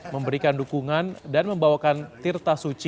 memberikan dukungan dan membawakan tirta suci